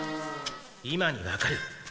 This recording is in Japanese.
今にわかる。